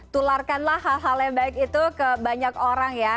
tularkanlah hal hal yang baik itu ke banyak orang ya